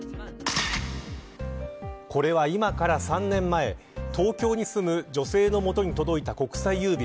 これは、今から３年前東京に住む女性の元に届いた国際郵便。